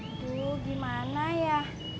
aduh gimana ya